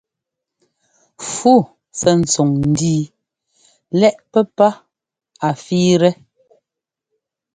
Fu sɛ́ ntsuŋ ńdíi lɛ́ꞌ pɛ́pá a fíitɛ.